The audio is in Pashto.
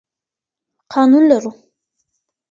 قانون لرو.